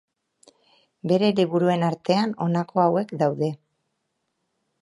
Bere liburuen artean honako hauek daude.